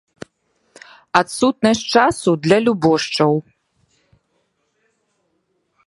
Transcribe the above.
Адсутнасць часу для любошчаў.